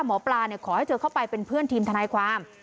หมอปลาขอให้เธอเข้าไปเป็นเพื่อนทีมทนายความ